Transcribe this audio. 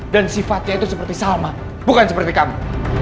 dan sifatnya itu seperti salma bukan seperti kamu